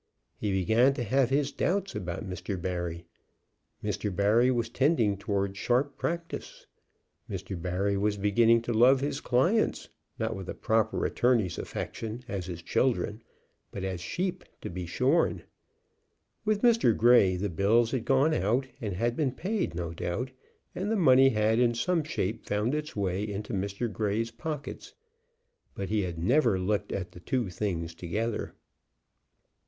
He began to have his doubts about Mr. Barry. Mr. Barry was tending toward sharp practice. Mr. Barry was beginning to love his clients, not with a proper attorney's affection, as his children, but as sheep to be shorn. With Mr. Grey the bills had gone out and had been paid, no doubt, and the money had in some shape found its way into Mr. Grey's pockets. But he had never looked at the two things together.